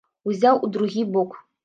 Узяў у другі бок.